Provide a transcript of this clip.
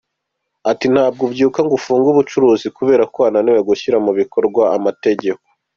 Ati “Ntabwo ubyuka ngo ufunge ubucuruzi kubera ko wananiwe gushyira mu bikorwa amategeko.